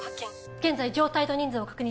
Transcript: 現在状態と人数を確認